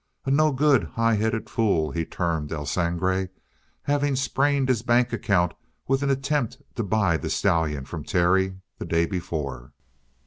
"A no good, high headed fool," he termed El Sangre, having sprained his bank account with an attempt to buy the stallion from Terry the day before.